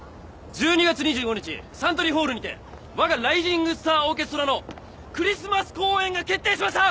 １２月２５日サントリーホールにて我がライジングスター・オーケストラのクリスマス公演が決定しました！